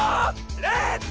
レッツ！